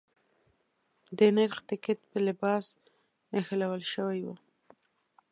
د نرخ ټکټ په لباس نښلول شوی و.